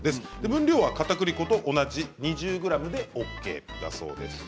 分量はかたくり粉と同じ２０ｇでＯＫです。